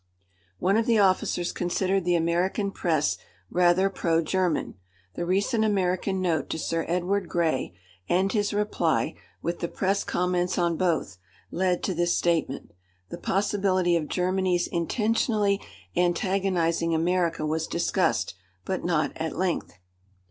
One of the officers considered the American press rather pro German. The recent American note to Sir Edward Grey and his reply, with the press comments on both, led to this statement. The possibility of Germany's intentionally antagonising America was discussed, but not at length.